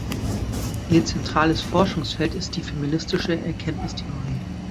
Ihr zentrales Forschungsfeld ist die feministische Erkenntnistheorie.